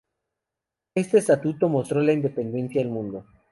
Este Estatuto mostró la independencia al mundo.